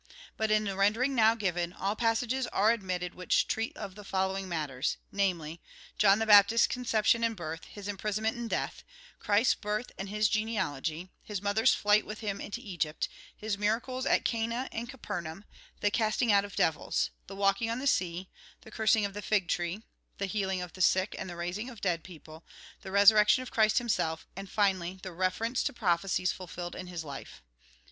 But in the rendering now given, all passages are omitted which treat of the following matters, namely, — John the Baptist's conception and birth, his imprisonment and death ; Christ's birth, and his genealogy ; his mother's flight with him into Egypt ; his miracles at Cana and Capernaum ; the casting out of devils ; the walking on the sea ; the cursing of the fig tree ; the healing of sick, and the raising of dead people ; the resurrection of Christ himself ; and finally, the reference to prophecies fulfilled in his life.